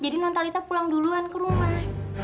jadi nontalita pulang duluan ke rumah